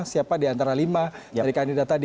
siapa di antara lima dari kandidat tadi